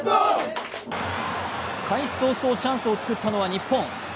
開始早々チャンスを作ったのは日本。